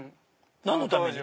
何のために？